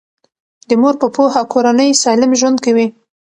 د مور په پوهه کورنۍ سالم ژوند کوي.